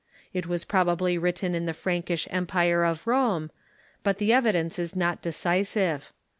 It was probably writ ten in the Frankish Empire of Rome, but the evidence is not decisive.